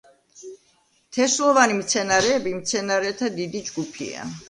თესლოვანი მცენარეები მცენარეთა დიდი ჯგუფია.